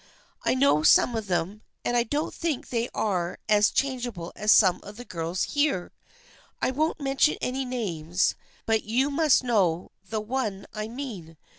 I know some of them, and I don't think they are as changeable as some of the girls here. I won't mention any names, but you must know the one I mean.